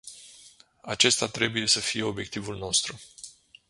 Acesta trebuie să fie obiectivul nostru.